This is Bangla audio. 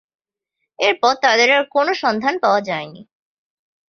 এরপর তাদের আর কোনো সন্ধান পাওয়া যায়নি।